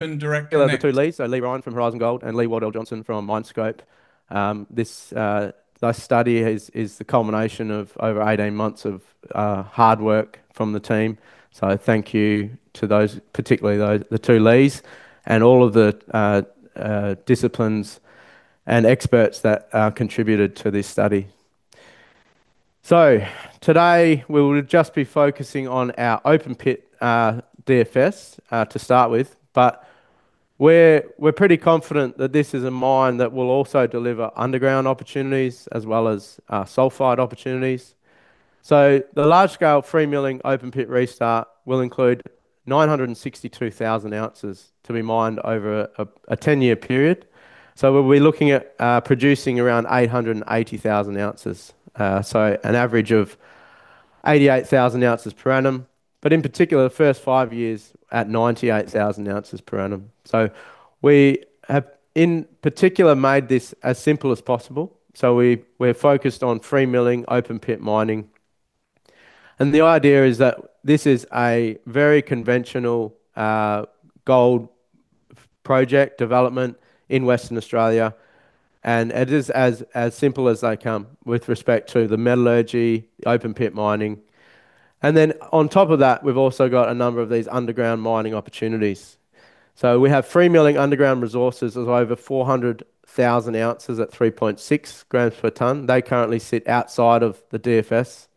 Director, Nick. The two Leighs. Leigh Ryan from Horizon Gold and Leigh Wardell-Johnson from MineScope. This study is the culmination of over 18 months of hard work from the team. Thank you to those, particularly the two Leighs and all of the disciplines and experts that contributed to this study. Today, we will just be focusing on our open pit DFS to start with. We're pretty confident that this is a mine that will also deliver underground opportunities as well as sulfide opportunities. The large-scale free milling open pit restart will include 962,000 oz to be mined over a 10-year period. We'll be looking at producing around 880,000 oz. An average of 88,000 oz per annum. In particular, the first five years at 98,000 oz per annum. We have, in particular, made this as simple as possible. We're focused on free milling open-pit mining. The idea is that this is a very conventional gold project development in Western Australia, and it is as simple as they come with respect to the metallurgy open-pit mining. Then on top of that, we've also got a number of these underground mining opportunities. We have free milling underground resources of over 400,000 oz at 3.6 g per ton. They currently sit outside of the DFS.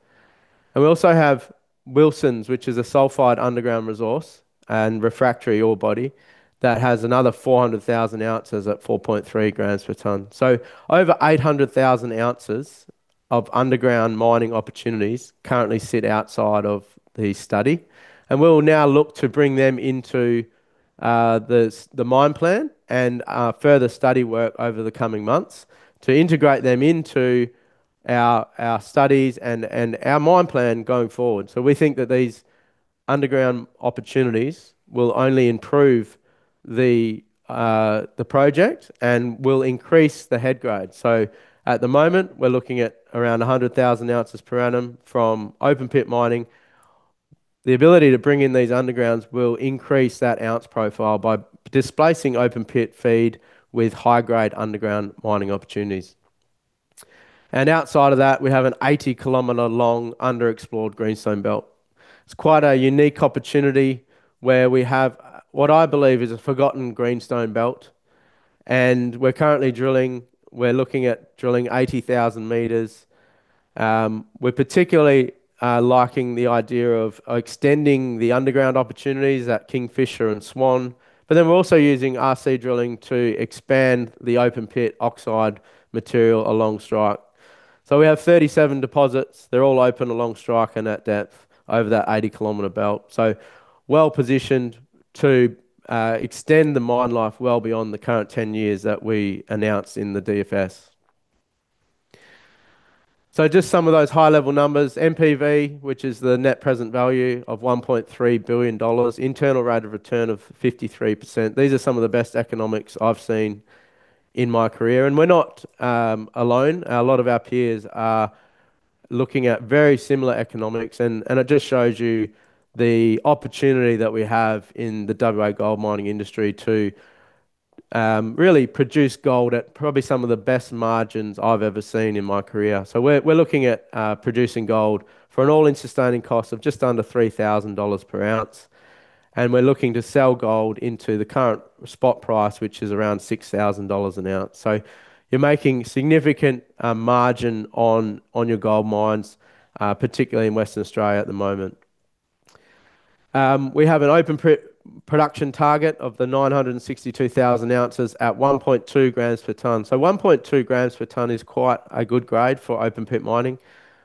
We also have Wilsons, which is a sulfide underground resource and refractory ore body that has another 400,000 oz at 4.3 g per ton. Over 800,000 oz of underground mining opportunities currently sit outside of the study, and we'll now look to bring them into the mine plan and further study work over the coming months to integrate them into our studies and our mine plan going forward. We think that these underground opportunities will only improve the project and will increase the head grade. At the moment, we're looking at around 100,000 oz per annum from open-pit mining. The ability to bring in these undergrounds will increase that ounce profile by displacing open pit feed with high-grade underground mining opportunities. Outside of that, we have an 80-km long underexplored greenstone belt. It's quite a unique opportunity where we have what I believe is a forgotten greenstone belt, and we're currently drilling. We're looking at drilling 80,000 m. We're particularly liking the idea of extending the underground opportunities at Kingfisher and Swan. We're also using RC drilling to expand the open pit oxide material along strike. We have 37 deposits. They're all open along strike and at depth over that 80-km belt. Well-positioned to extend the mine life well beyond the current 10 years that we announced in the DFS. Just some of those high-level numbers. NPV, which is the net present value of 1.3 billion dollars, internal rate of return of 53%. These are some of the best economics I've seen in my career, and we're not alone. A lot of our peers are looking at very similar economics, and it just shows you the opportunity that we have in the WA gold mining industry to really produce gold at probably some of the best margins I've ever seen in my career. We're looking at producing gold for an all-in sustaining cost of just under 3,000 dollars per ounce, and we're looking to sell gold into the current spot price, which is around 6,000 dollars an ounce. You're making significant margin on your gold mines, particularly in Western Australia at the moment. We have an open pit production target of the 962,000 oz at 1.2 g per ton. 1.2 g per ton is quite a good grade for open-pit mining.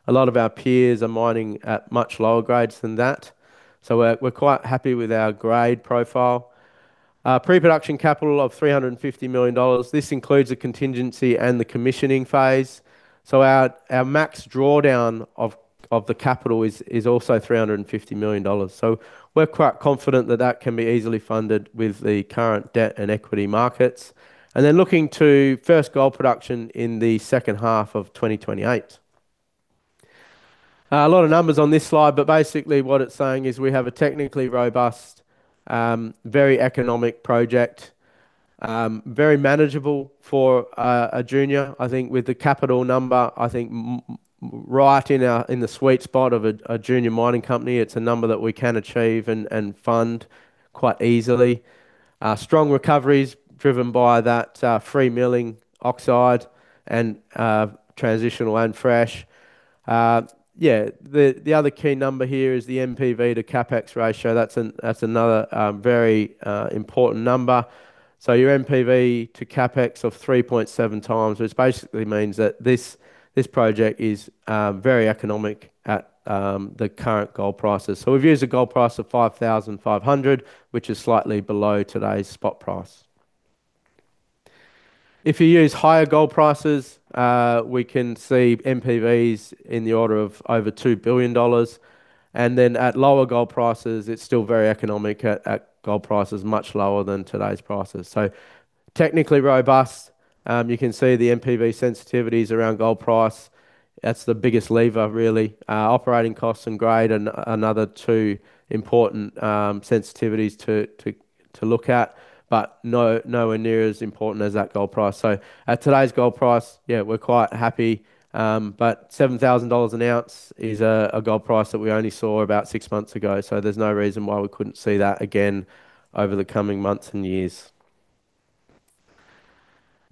A lot of our peers are mining at much lower grades than that. We're quite happy with our grade profile. Pre-production capital of 350 million dollars. This includes a contingency and the commissioning phase. Our max drawdown of the capital is also 350 million dollars. We're quite confident that that can be easily funded with the current debt and equity markets. Looking to first gold production in the second half of 2028. A lot of numbers on this slide, but basically what it's saying is we have a technically robust, very economic project. Very manageable for a junior, I think with the capital number, I think right in the sweet spot of a junior mining company. It's a number that we can achieve and fund quite easily. Strong recoveries driven by that free milling oxide and transitional and fresh. The other key number here is the NPV to CapEx ratio. That's another very important number. Your NPV to CapEx of 3.7x, which basically means that this project is very economic at the current gold prices. We've used a gold price of 5,500, which is slightly below today's spot price. If you use higher gold prices, we can see NPVs in the order of over 2 billion dollars. At lower gold prices, it's still very economic at gold prices much lower than today's prices so, technically robust. You can see the NPV sensitivities around gold price. That's the biggest lever, really. Operating costs and grade, another two important sensitivities to look at, but nowhere near as important as that gold price. At today's gold price, we're quite happy. 7,000 dollars an ounce is a gold price that we only saw about six months ago, so there's no reason why we couldn't see that again over the coming months and years.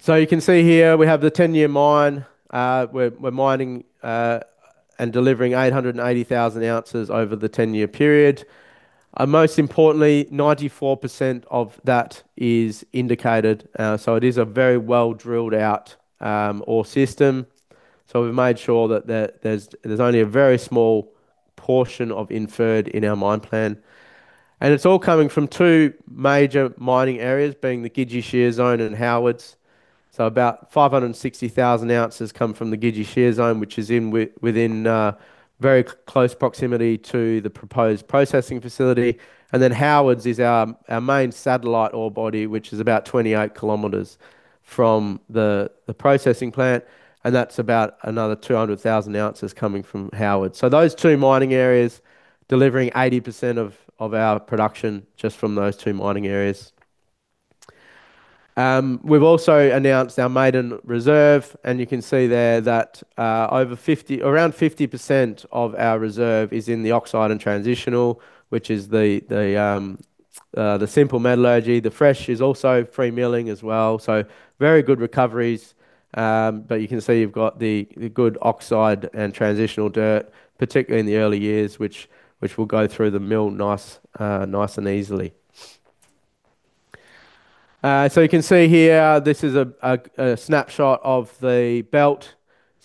You can see here we have the 10-year mine. We're mining and delivering 880,000 oz over the 10-year period. Most importantly, 94% of that is indicated. It is a very well-drilled out ore system. We've made sure that there's only a very small portion of inferred in our mine plan, and it's all coming from two major mining areas, being the Gidji Shear Zone and Howards. About 560,000 oz come from the Gidji Shear Zone, which is within very close proximity to the proposed processing facility. Howards is our main satellite ore body, which is about 28 km from the processing plant, and that's about another 200,000 oz coming from Howards. Those two mining areas, delivering 80% of our production just from those two mining areas. We've also announced our maiden reserve, and you can see there that around 50% of our reserve is in the oxide and transitional, which is the simple metallurgy. The fresh is also free milling as well. Very good recoveries. You can see you've got the good oxide and transitional dirt, particularly in the early years, which will go through the mill nice and easily. You can see here, this is a snapshot of the belt.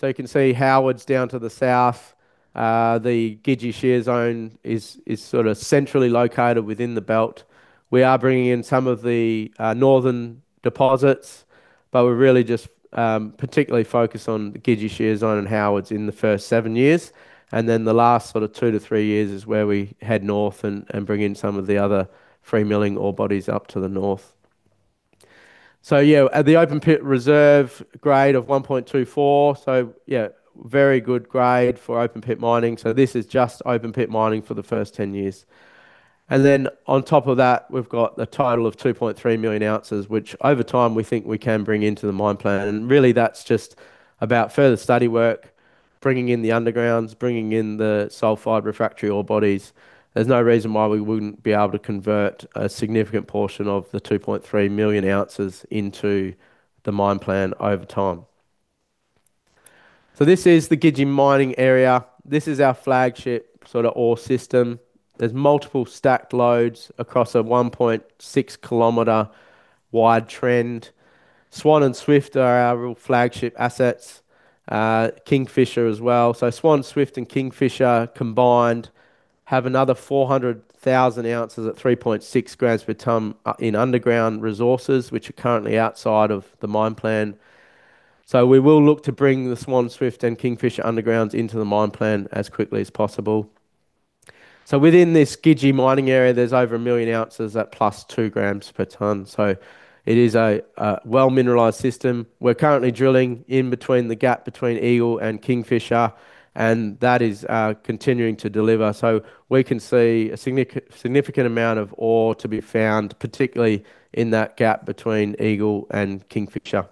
You can see Howards down to the south. The Gidji Shear Zone is sort of centrally located within the belt. We are bringing in some of the northern deposits, but we're really just particularly focused on the Gidji Shear Zone and Howards in the first seven years. The last sort of two to three years is where we head north and bring in some of the other free milling ore bodies up to the north. At the open pit reserve grade of 1.24. Very good grade for open-pit mining. This is just open-pit mining for the first 10 years. On top of that, we've got a total of 2.3 million ounces, which over time we think we can bring into the mine plan. Really that's just about further study work, bringing in the undergrounds, bringing in the sulfide refractory ore bodies. There's no reason why we wouldn't be able to convert a significant portion of the 2.3 million ounces into the mine plan over time. This is the Gidji mining area. This is our flagship sort of ore system. There's multiple stacked loads across a 1.6-km wide trend. Swan and Swift are our real flagship assets. Kingfisher as well. Swan, Swift, and Kingfisher combined have another 400,000 oz at 3.6 g per ton in underground resources, which are currently outside of the mine plan. We will look to bring the Swan, Swift, and Kingfisher undergrounds into the mine plan as quickly as possible. Within this Gidji mining area, there's over a million ounces at +2 g per ton. It is a well-mineralized system. We're currently drilling in between the gap between Eagle and Kingfisher, and that is continuing to deliver. We can see a significant amount of ore to be found, particularly in that gap between Eagle and Kingfisher.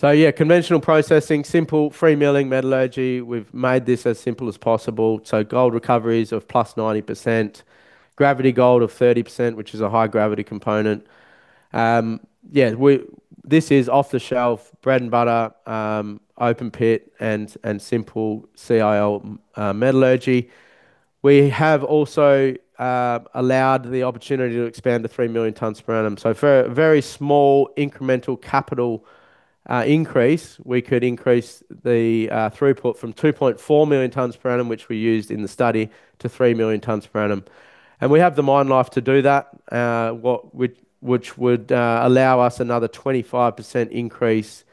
Conventional processing, simple, free milling metallurgy. We've made this as simple as possible. Gold recoveries of +90%. Gravity gold of 30%, which is a high-gravity component. This is off-the-shelf bread and butter, open pit, and simple CIL metallurgy. We have also allowed the opportunity to expand to 3 million tons per annum. For a very small incremental capital increase, we could increase the throughput from 2.4 million tons per annum, which we used in the study, to 3 million tons per annum. We have the mine life to do that, which would allow us another 25% increase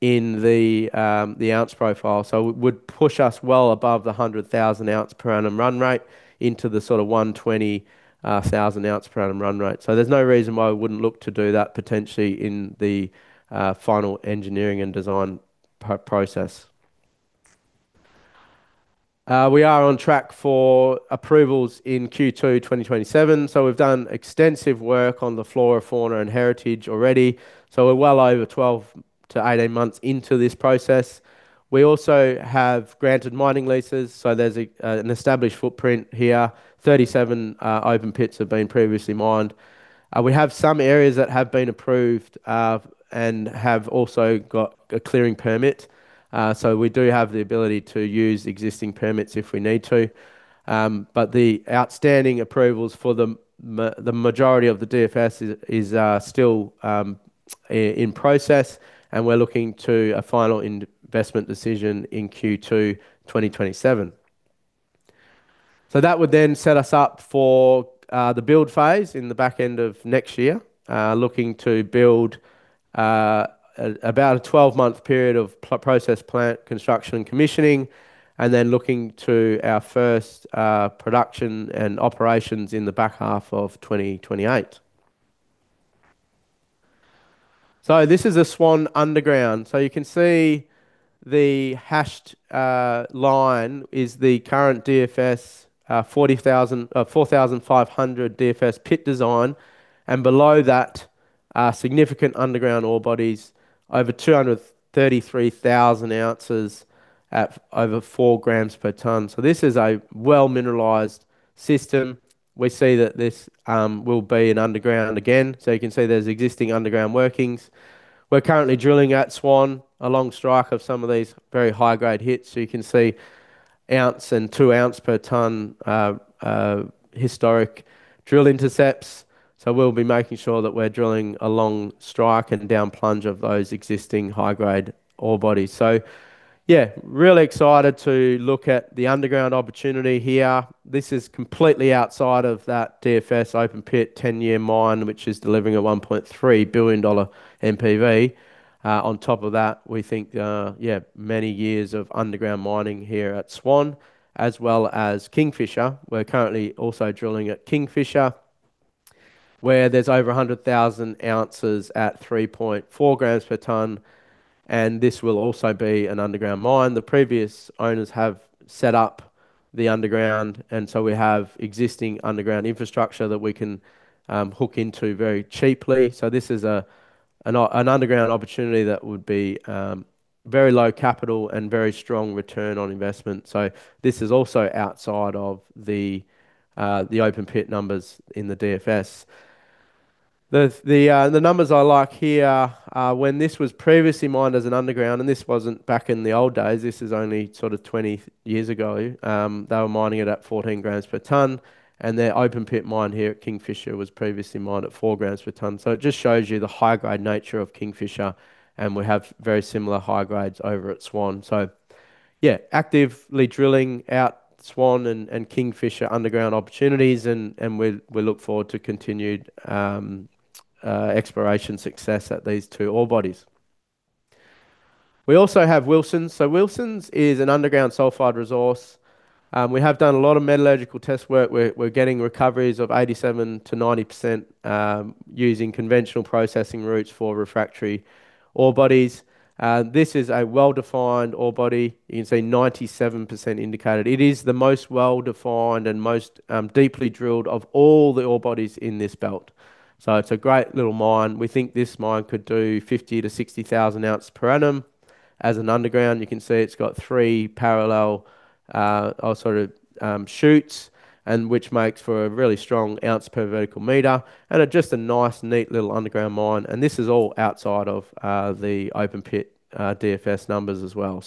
in the ounce profile. It would push us well above the 100,000 ounce per annum run rate into the sort of 120,000 ounce per annum run rate. There's no reason why we wouldn't look to do that potentially in the final engineering and design process. We are on track for approvals in Q2 2027. We've done extensive work on the flora, fauna, and heritage already. We're well over 12-18 months into this process. We also have granted mining leases. There's an established footprint here. 37 open pits have been previously mined. We have some areas that have been approved, and have also got a clearing permit. We do have the ability to use existing permits if we need to. The outstanding approvals for the majority of the DFS is still in process, and we're looking to a final investment decision in Q2 2027. That would then set us up for the build phase in the back end of next year, looking to build about a 12-month period of process plant construction and commissioning, and then looking to our first production and operations in the back half of 2028. This is a Swan underground. You can see the hashed line is the current DFS 4,500 DFS pit design, and below that are significant underground ore bodies over 233,000 oz at over 4 g per ton. This is a well-mineralized system. We see that this will be an underground again. You can see there's existing underground workings. We're currently drilling at Swan along strike of some of these very high-grade hits. You can see ounce and 2 oz per ton historic drill intercepts. We'll be making sure that we're drilling along strike and down plunge of those existing high-grade ore bodies. Yeah, really excited to look at the underground opportunity here. This is completely outside of that DFS open-pit 10-year mine, which is delivering an 1.3 billion dollar NPV. On top of that, we think, yeah, many years of underground mining here at Swan, as well as Kingfisher. We're currently also drilling at Kingfisher, where there's over 100,000 oz at 3.4 g per ton and this will also be an underground mine. The previous owners have set up the underground, we have existing underground infrastructure that we can hook into very cheaply. This is an underground opportunity that would be very low capital and very strong return on investment. This is also outside of the open pit numbers in the DFS. The numbers I like here are when this was previously mined as an underground, and this wasn't back in the old days, this is only sort of 20 years ago. They were mining it at 14 g per ton, and their open-pit mine here at Kingfisher was previously mined at 4 g per ton. It just shows you the high-grade nature of Kingfisher, and we have very similar high grades over at Swan. Yeah, actively drilling out Swan and Kingfisher underground opportunities, and we look forward to continued exploration success at these two ore bodies. We also have Wilsons. Wilsons is an underground sulfide resource. We have done a lot of metallurgical test work. We're getting recoveries of 87%-90% using conventional processing routes for refractory ore bodies. This is a well-defined ore body. You can see 97% indicated. It is the most well-defined and most deeply drilled of all the ore bodies in this belt. It's a great little mine. We think this mine could do 50,000 oz-60,000 oz per annum. As an underground, you can see it's got three parallel all sort of shoots which makes for a really strong ounce per vertical meter and just a nice, neat little underground mine. This is all outside of the open pit DFS numbers as well.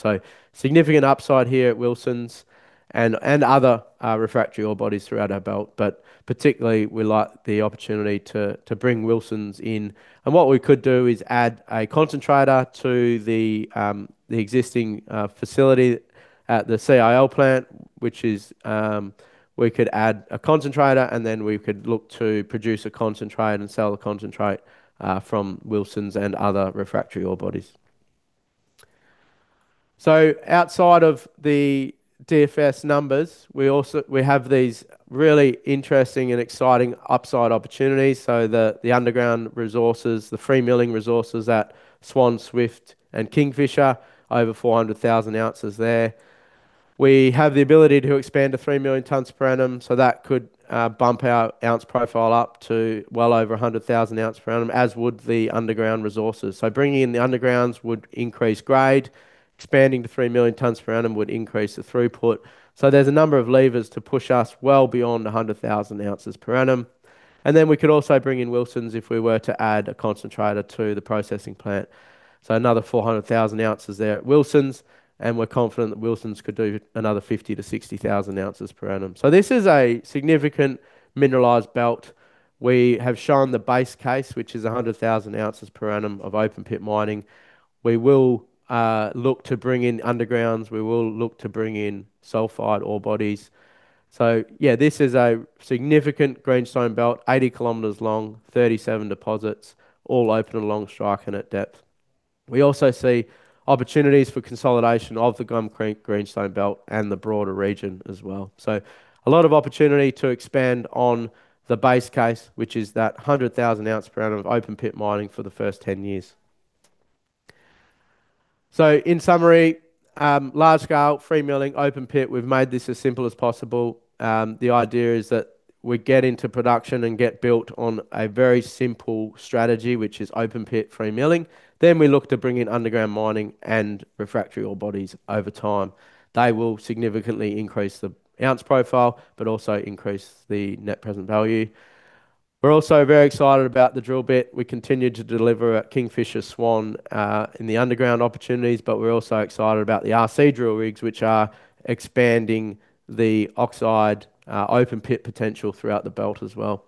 Significant upside here at Wilsons and other refractory ore bodies throughout our belt. Particularly, we like the opportunity to bring Wilsons in. What we could do is add a concentrator to the existing facility at the CIL plant, which is we could add a concentrator, then we could look to produce a concentrate and sell the concentrate from Wilsons and other refractory ore bodies. Outside of the DFS numbers, we have these really interesting and exciting upside opportunities. The underground resources, the free milling resources at Swan, Swift and Kingfisher, over 400,000 oz there. We have the ability to expand to 3 million tons per annum, that could bump our ounce profile up to well over 100,000 oz per annum, as would the underground resources. Bringing in the undergrounds would increase grade, expanding to 3 million tons per annum would increase the throughput. There's a number of levers to push us well beyond 100,000 oz per annum. We could also bring in Wilsons if we were to add a concentrator to the processing plant. Another 400,000 oz there at Wilsons, and we're confident that Wilsons could do another 50,000 oz-60,000 oz per annum. This is a significant mineralized belt. We have shown the base case, which is 100,000 oz per annum of open-pit mining. We will look to bring in undergrounds. We will look to bring in sulfide ore bodies. This is a significant greenstone belt, 80 km long, 37 deposits, all open along strike and at depth. We also see opportunities for consolidation of the Gum Creek Greenstone Belt and the broader region as well. A lot of opportunity to expand on the base case, which is that 100,000 oz per annum of open-pit mining for the first 10 years. In summary, large scale, free milling, open pit. We've made this as simple as possible. The idea is that we get into production and get built on a very simple strategy, which is open-pit free-milling. We look to bring in underground mining and refractory ore bodies over time. They will significantly increase the ounce profile, also increase the net present value. We're also very excited about the drill bit. We continue to deliver at Kingfisher Swan in the underground opportunities, we're also excited about the RC drill rigs, which are expanding the oxide open pit potential throughout the belt as well.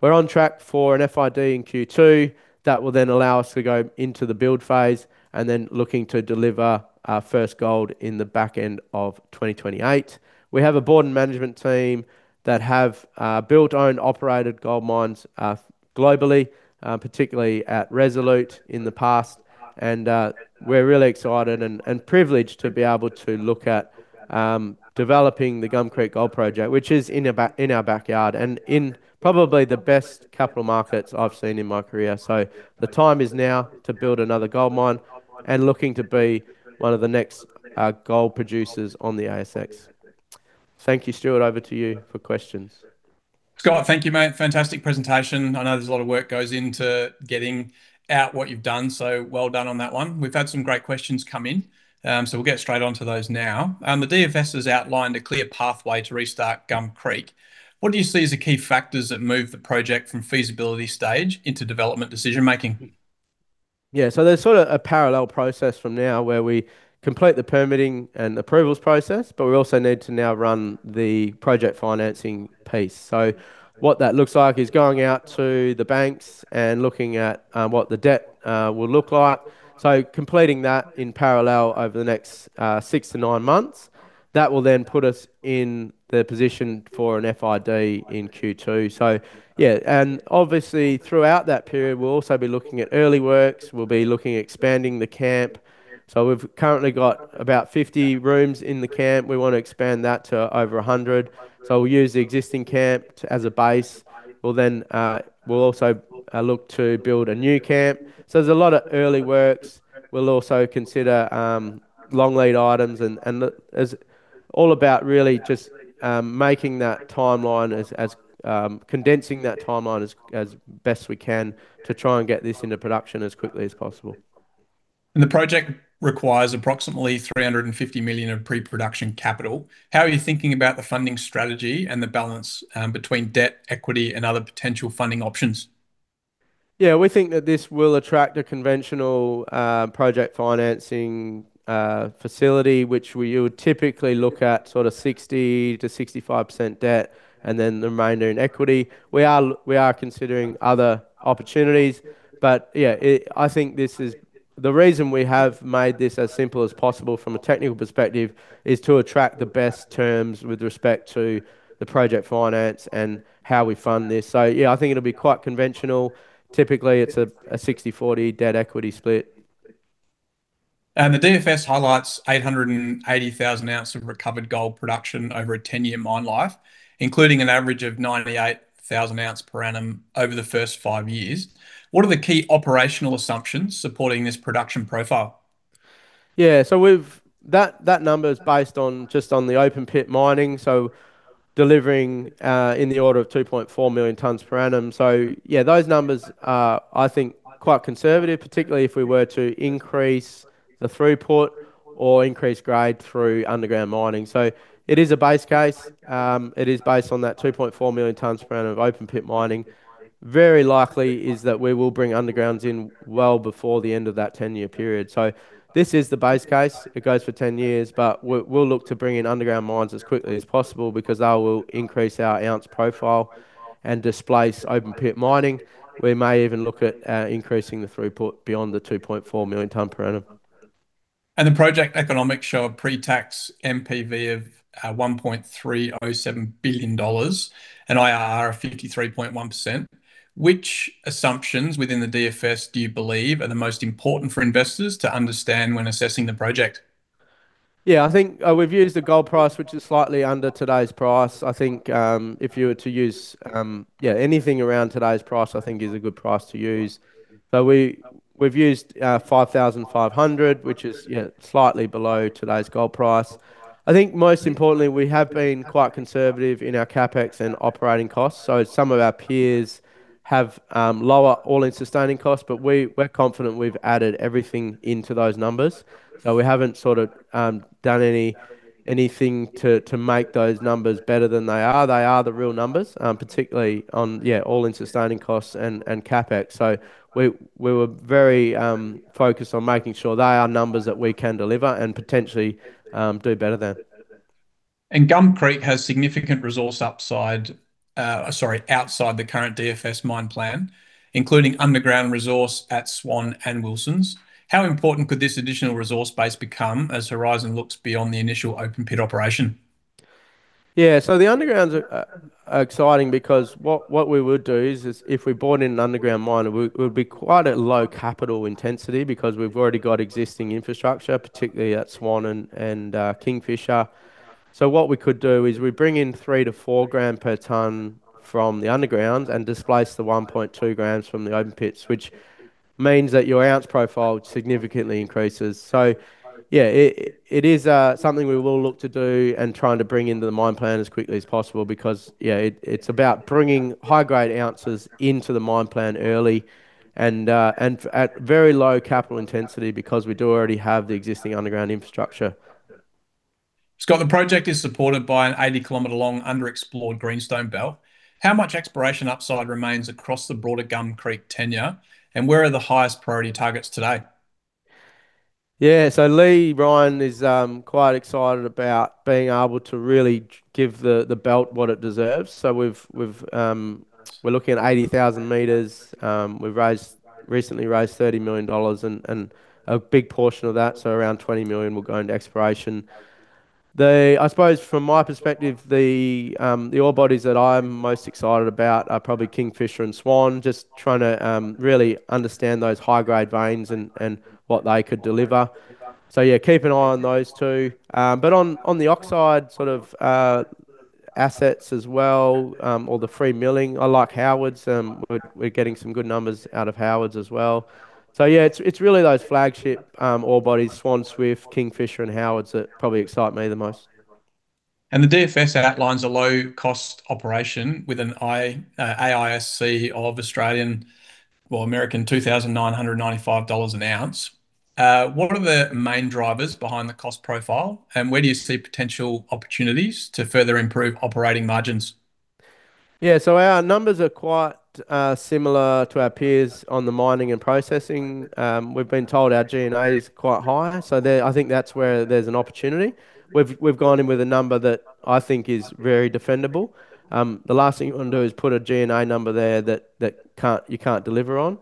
We're on track for an FID in Q2 that will then allow us to go into the build phase looking to deliver our first gold in the back end of 2028. We have a board and management team that have built, owned, operated gold mines globally, particularly at Resolute in the past. We're really excited and privileged to be able to look at developing the Gum Creek Gold Project, which is in our backyard, and in probably the best capital markets I've seen in my career. The time is now to build another gold mine and looking to be one of the next gold producers on the ASX. Thank you, Stuart. Over to you for questions. Scott, thank you, mate. Fantastic presentation. I know there's a lot of work goes into getting out what you've done, so well done on that one. We've had some great questions come in, so we'll get straight onto those now. The DFS has outlined a clear pathway to restart Gum Creek. What do you see as the key factors that move the project from feasibility stage into development decision-making? Yeah. There's sort of a parallel process from now where we complete the permitting and approvals process, but we also need to now run the project financing piece. What that looks like is going out to the banks and looking at what the debt will look like. Completing that in parallel over the next six to nine months. That will then put us in the position for an FID in Q2. Yeah. Obviously, throughout that period, we'll also be looking at early works, we'll be looking at expanding the camp. We've currently got about 50 rooms in the camp. We want to expand that to over 100. We'll use the existing camp as a base. We'll also look to build a new camp. There's a lot of early works. We'll also consider long lead items and it's all about really just making that timeline, condensing that timeline as best we can to try and get this into production as quickly as possible. The project requires approximately 350 million of pre-production capital. How are you thinking about the funding strategy and the balance between debt, equity, and other potential funding options? We think that this will attract a conventional project financing facility, which we would typically look at sort of 60%-65% debt and then the remainder in equity. We are considering other opportunities. I think this is the reason we have made this as simple as possible from a technical perspective is to attract the best terms with respect to the project finance and how we fund this. I think it'll be quite conventional. Typically, it's a 60/40 debt equity split. The DFS highlights 880,000 oz of recovered gold production over a 10-year mine life, including an average of 98,000 oz per annum over the first five years. What are the key operational assumptions supporting this production profile? That number is based on just on the open-pit mining, so delivering in the order of 2.4 million tons per annum. Those numbers are, I think, quite conservative, particularly if we were to increase the throughput or increase grade through underground mining. It is a base case. It is based on that 2.4 million tons per annum of open-pit mining. Very likely is that we will bring undergrounds in well before the end of that 10-year period. This is the base case. It goes for 10 years, but we'll look to bring in underground mines as quickly as possible because they will increase our ounce profile and displace open-pit mining. We may even look at increasing the throughput beyond the 2.4 million tons per annum. The project economics show a pre-tax NPV of 1.307 billion dollars and IRR of 53.1%. Which assumptions within the DFS do you believe are the most important for investors to understand when assessing the project? I think we've used the gold price, which is slightly under today's price. I think if you were to use anything around today's price, I think is a good price to use. We've used 5,500, which is slightly below today's gold price. I think most importantly, we have been quite conservative in our CapEx and operating costs. Some of our peers have lower all-in sustaining costs, but we're confident we've added everything into those numbers. We haven't sort of done anything to make those numbers better than they are. They are the real numbers, particularly on all-in sustaining costs and CapEx. We were very focused on making sure they are numbers that we can deliver and potentially do better then. Gum Creek has significant resource upside, sorry, outside the current DFS mine plan, including underground resource at Swan and Wilsons. How important could this additional resource base become as Horizon looks beyond the initial open-pit operation? The underground's exciting because what we would do is if we brought in an underground mine, it would be quite a low capital intensity because we've already got existing infrastructure, particularly at Swan and Kingfisher. What we could do is we bring in 3 g-4 g per ton from the underground and displace the 1.2 g from the open pits, which means that your ounce profile significantly increases. It is something we will look to do and trying to bring into the mine plan as quickly as possible because it's about bringing high-grade ounces into the mine plan early and at very low capital intensity because we do already have the existing underground infrastructure. Scott, the project is supported by an 80-km long underexplored greenstone belt. How much exploration upside remains across the broader Gum Creek tenure, and where are the highest priority targets today? Yeah. Leigh Ryan is quite excited about being able to really give the belt what it deserves. We're looking at 80,000 m. We've recently raised 30 million dollars, and a big portion of that, around 20 million, will go into exploration. I suppose from my perspective, the ore bodies that I'm most excited about are probably Kingfisher and Swan, just trying to really understand those high-grade veins and what they could deliver. Yeah, keep an eye on those two. On the oxide sort of assets as well, or the free milling, I like Howards. We're getting some good numbers out of Howards as well. Yeah, it's really those flagship ore bodies, Swan Swift, Kingfisher, and Howards that probably excite me the most. The DFS outlines a low-cost operation with an AISC of 2,995 dollars an ounce. What are the main drivers behind the cost profile, and where do you see potential opportunities to further improve operating margins? Yeah. Our numbers are quite similar to our peers on the mining and processing. We've been told our G&A is quite high, so I think that's where there's an opportunity. We've gone in with a number that I think is very defendable. The last thing you want to do is put a G&A number there that you can't deliver on.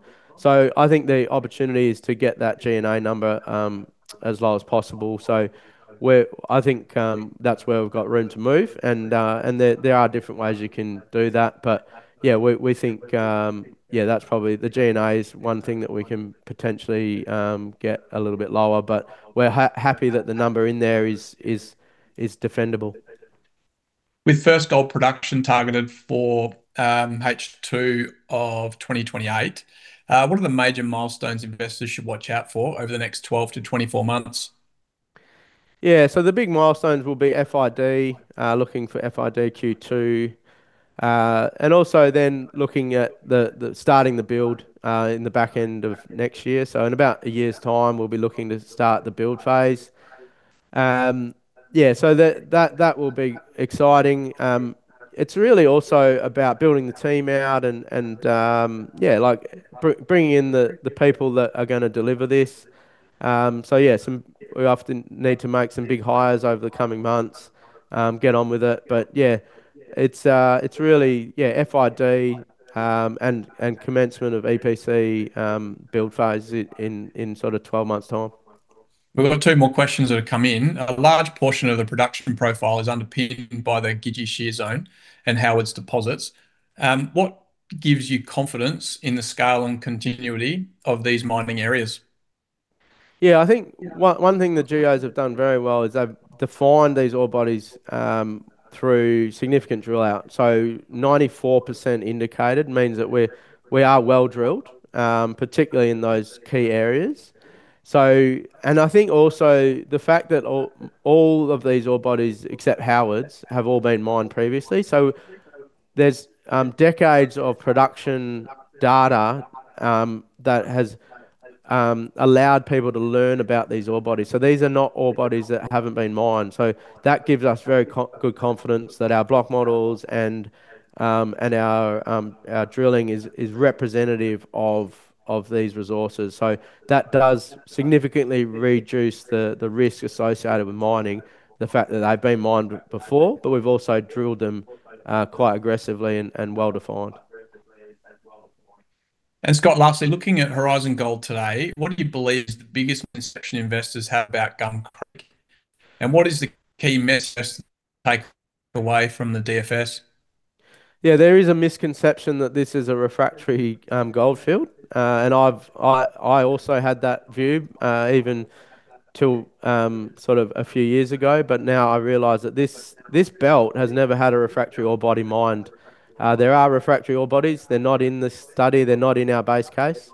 I think the opportunity is to get that G&A number as low as possible. I think that's where we've got room to move, and there are different ways you can do that. Yeah, we think the G&A is one thing that we can potentially get a little bit lower, but we're happy that the number in there is defendable. With first gold production targeted for H2 of 2028, what are the major milestones investors should watch out for over the next 12-24 months? The big milestones will be FID, looking for FID Q2, then looking at starting the build in the back end of next year. In about a year's time, we'll be looking to start the build phase. That will be exciting. It's really also about building the team out and bringing in the people that are going to deliver this. We often need to make some big hires over the coming months, get on with it. It's really FID and commencement of EPC build phase in sort of 12 months' time. We've got two more questions that have come in. A large portion of the production profile is underpinned by the Gidji Shear Zone and Howards deposits. What gives you confidence in the scale and continuity of these mining areas? I think one thing the geos have done very well is they've defined these ore bodies through significant drill out. 94% indicated means that we are well-drilled, particularly in those key areas. I think also the fact that all of these ore bodies, except Howards, have all been mined previously. There's decades of production data that has allowed people to learn about these ore bodies. These are not ore bodies that haven't been mined, that gives us very good confidence that our block models and our drilling is representative of these resources. That does significantly reduce the risk associated with mining, the fact that they've been mined before, we've also drilled them quite aggressively and well-defined. Scott, lastly, looking at Horizon Gold today, what do you believe is the biggest misconception investors have about Gum Creek? What is the key message to take away from the DFS? There is a misconception that this is a refractory gold field, I also had that view, even till sort of a few years ago. Now I realize that this belt has never had a refractory ore body mined. There are refractory ore bodies. They're not in this study. They're not in our base case.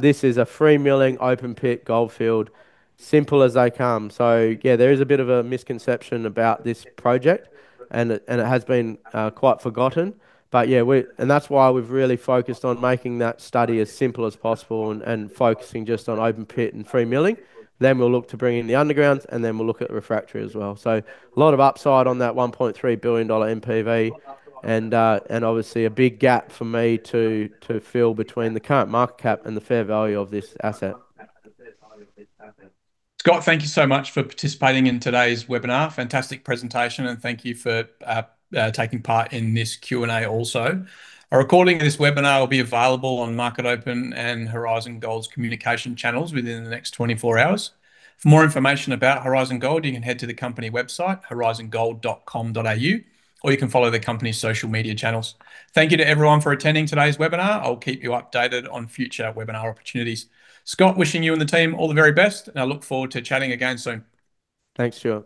This is a free milling open-pit gold field, simple as they come. There is a bit of a misconception about this project, it has been quite forgotten. That's why we've really focused on making that study as simple as possible and focusing just on open pit and free milling. We'll look to bring in the undergrounds, we'll look at refractory as well. A lot of upside on that 1.3 billion dollar NPV obviously a big gap for me to fill between the current market cap and the fair value of this asset. Scott, thank you so much for participating in today's webinar. Fantastic presentation, thank you for taking part in this Q&A also. A recording of this webinar will be available on MarketOpen and Horizon Gold's communication channels within the next 24 hours. For more information about Horizon Gold, you can head to the company website, horizongold.com.au, you can follow the company's social media channels. Thank you to everyone for attending today's webinar. I'll keep you updated on future webinar opportunities. Scott, wishing you and the team all the very best, I look forward to chatting again soon. Thanks, Stuart.